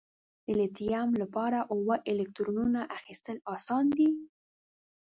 د لیتیم لپاره اووه الکترونو اخیستل آسان دي؟